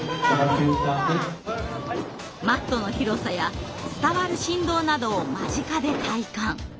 マットの広さや伝わる振動などを間近で体感。